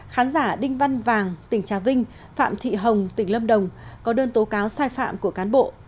khán giả đinh văn vàng tỉnh trà vinh phạm thị hồng tỉnh lâm đồng có đơn tố cáo sai phạm của cán bộ